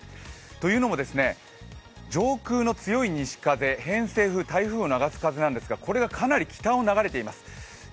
というのも、上空の強い西風、偏西風、台風を流す風なんですがこれがかなり北を流れています。